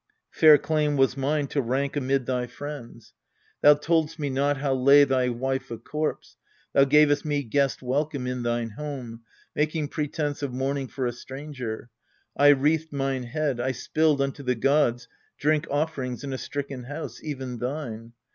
Fair claim was mine to rank amid thy friends. ALCESTIS 233 Thou told'st me not how lay thy wife a corpse : Thou gavest me guest welcome in thine home, Making pretence of mourning for a stranger. I wreathed mine head, I spilled unto the gods Drink offerings in a stricken house, even thine.